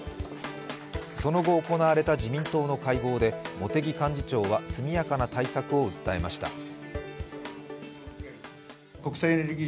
その後行われた自民党の会合で茂木幹事長は速やかな対策を訴えました。